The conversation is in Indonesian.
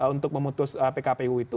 untuk memutus pkpu itu